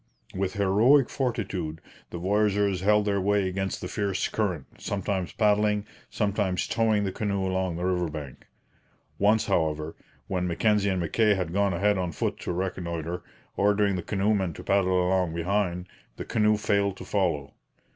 With heroic fortitude the voyageurs held their way against the fierce current, sometimes paddling, sometimes towing the canoe along the river bank. Once, however, when Mackenzie and Mackay had gone ahead on foot to reconnoitre, ordering the canoemen to paddle along behind, the canoe failed to follow.